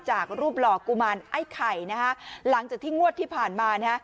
จากรูปหล่อกุมารไอ้ไข่นะฮะหลังจากที่งวดที่ผ่านมานะฮะ